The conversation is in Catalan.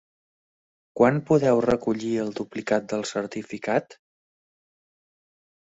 Quan podeu recollir el duplicat del certificat?